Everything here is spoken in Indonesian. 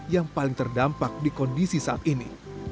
yang paling terdampak di kondisi saat ini